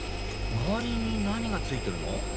周りに何がついてるの？